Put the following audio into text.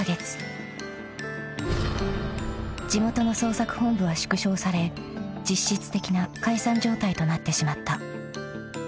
［地元の捜索本部は縮小され実質的な解散状態となってしまった］